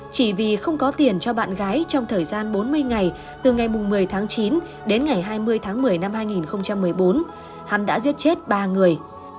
chỉ vì không có tiền cho bạn gái trong thời gian bốn mươi ngày từ ngày một mươi tháng chín đến ngày hai mươi tháng một mươi năm hai nghìn một mươi bốn hắn đã giết chết ba người